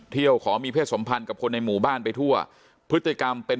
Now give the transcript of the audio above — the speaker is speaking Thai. ขอมีเพศสมพันธ์กับคนในหมู่บ้านไปทั่วพฤติกรรมเป็น